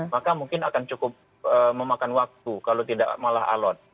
maka mungkin akan cukup memakan waktu kalau tidak malah alon